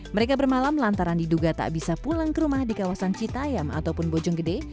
mereka bermalam lantaran diduga tak bisa pulang ke rumah di kawasan citayam ataupun bojonggede